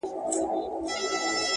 صادق نیت زړونه سره نښلوي.!